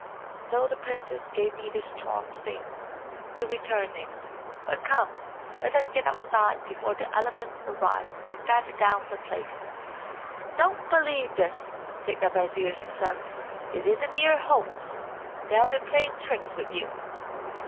So the princess gave me this charmed swing to return in. But come, let us get outside before the elephants arrive and batter down the place." "Don't believe this," said the vizier's son. "It is a mere hoax. They have been playing tricks with you."